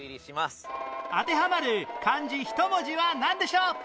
あてはまる漢字１文字はなんでしょう？